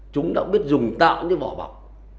chúng đã biết dùng tạo những vỏ bọc